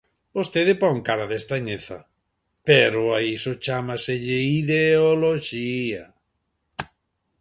Vostede pon cara de estrañeza, pero a iso chámaselle ideoloxía.